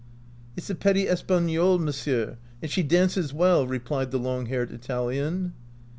"It 's the petite Espagnole, monsieur, and she dances well," replied the long haired Italian.